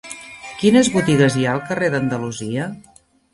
Quines botigues hi ha al carrer d'Andalusia?